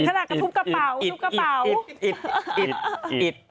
ถึงขนาดกระทุบกระเป๋าตุ๊กกระเป๋าอิดอิดอิด